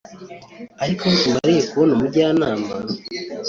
Ariko aho tumariye kubona umujyanama